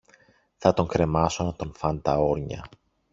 Θα τον κρεμάσω να τον φαν τα όρνια